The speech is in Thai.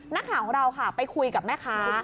นักข่าวของเราค่ะไปคุยกับแม่ค้า